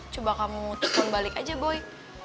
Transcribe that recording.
coba kamu tekun balik aja boy